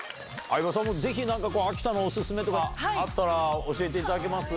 相葉さんもぜひ、何か秋田のお勧めとかあったら教えていただけます？